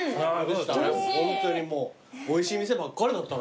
ホントにもうおいしい店ばっかりだったな。